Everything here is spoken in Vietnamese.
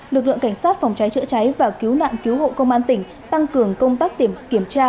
lực lượng cảnh sát phòng cháy chữa cháy và cứu nạn cứu hộ công an tỉnh tăng cường công tác kiểm tra